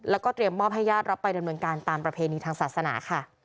แล้วก็เตรียมมอบให้ญาติรับไปดำเนินการตามประเพณีทางศาสนาค่ะ